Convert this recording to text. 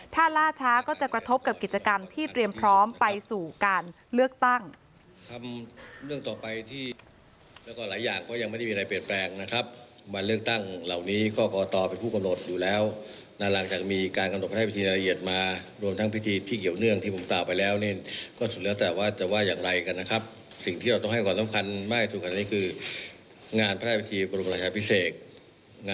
ถ้าล่าช้าก็จะกระทบกับกิจกรรมที่เตรียมพร้อมไปสู่การเลือกตั้ง